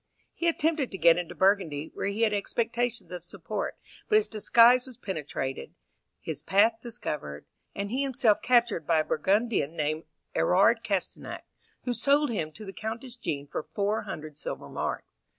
He attempted to get into Burgundy, where he had expectations of support, but his disguise was penetrated, his path discovered, and he himself captured by a Burgundian named Erard Castenac, who sold him to the Countess Jean for four hundred silver marks.